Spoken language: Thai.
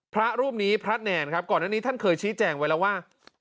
พระรูปนี้พระแนนครับก่อนอันนี้ท่านเคยชี้แจงไว้แล้วว่า